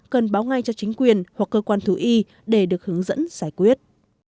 cần báo ngay cho chính quyền hoặc cơ quan thú y để được hướng dẫn giải quyết